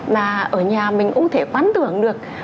mà ở nhà mình cũng thể quán tưởng được